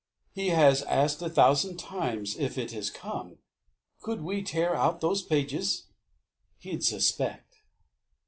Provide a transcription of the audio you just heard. "He has asked a thousand times if it has come; Could we tear out those pages?" "He'd suspect."